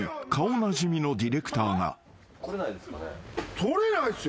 取れないっすよ。